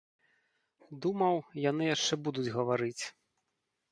Думаў, яны яшчэ будуць гаварыць.